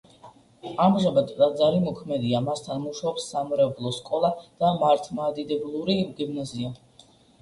ამჟამად ტაძარი მოქმედია, მასთან მუშაობს სამრევლო სკოლა და მართლმადიდებლური გიმნაზია.